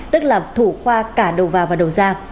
tức là thủ khoa cả đầu vào và đầu ra